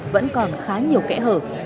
vẫn còn khá nhiều kẽ hở